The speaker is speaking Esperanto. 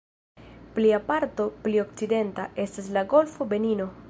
Plia parto, pli okcidenta, estas la "Golfo de Benino".